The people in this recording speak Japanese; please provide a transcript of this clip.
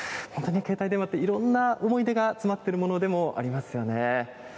本当に携帯電話って、いろんな思い出が詰まってるものでもありますよね。